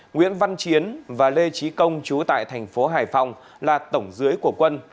nguyễn văn chiến và lê trí công chú tại tp hải phòng là tổng dưới của quân